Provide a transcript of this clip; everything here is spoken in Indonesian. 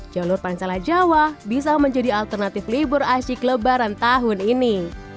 jalur pansela jawa bisa menjadi alternatif libur asyik lebaran tahun ini